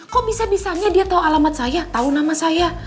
kok bisa bisanya dia tahu alamat saya tahu nama saya